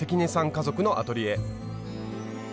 家族のアトリエ。